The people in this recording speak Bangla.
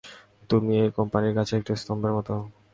তুমি এই কোম্পানির কাছে একটা স্তম্ভের মতো।